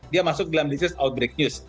dia masuk dalam this is outbreak news